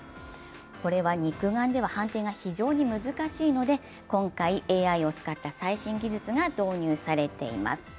これは肉眼では判定が非常に難しいので今回、ＡＩを使った最新技術が導入されています。